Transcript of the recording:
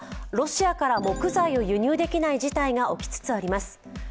ロシアから木材を輸入できない事態が起きつつあります。